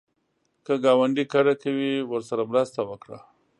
که ګاونډی کډه کوي، ورسره مرسته وکړه